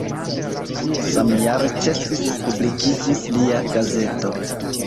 Samjare ĉesis publikiĝis lia gazeto.